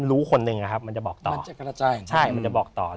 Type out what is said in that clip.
รู้คนหนึ่งนะครับมันจะบอกต่อมันจะกระจายใช่มันจะบอกต่อ